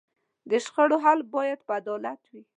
د شخړو حل باید په عدالت وي.